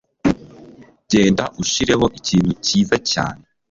Genda ushireho ikintu cyiza cyane.